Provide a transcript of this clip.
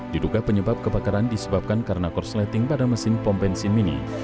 diduga penyebab kebakaran disebabkan karena korsleting pada mesin pom bensin mini